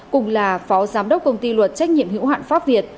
cùng là phó giám đốc công ty luật trách nhiệm hữu hạn pháp việt